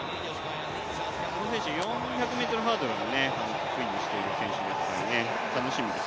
この選手、４００ｍハードルも得意にしている選手ですから、楽しみです。